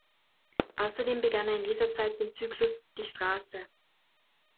Außerdem begann er in dieser Zeit den Zyklus „Die Straße“.